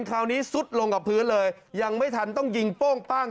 คราวนี้ซุดลงกับพื้นเลยยังไม่ทันต้องยิงโป้งป้าง